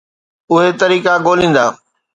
اهي طريقا ڳوليندا.